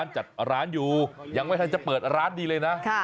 จัดร้านอยู่ยังไม่ทันจะเปิดร้านดีเลยนะ